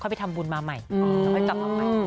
เขาไปทำบุญมาใหม่ทำให้กลับมาใหม่